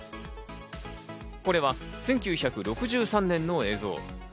これは１９６３年の映像。